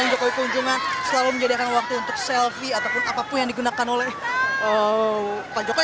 jokowi kunjungan selalu menjadikan waktu untuk selfie ataupun apapun yang digunakan oleh pak jokowi